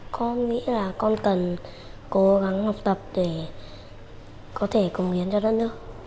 con nghĩ là con cần cố gắng học tập để có thể cống hiến cho đất nước